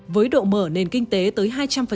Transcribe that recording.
với độ mở nền kinh tế tới hai trăm linh